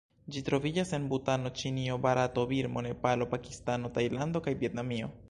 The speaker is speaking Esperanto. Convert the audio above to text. Ĝi troviĝas en Butano, Ĉinio, Barato, Birmo, Nepalo, Pakistano, Tajlando kaj Vjetnamio.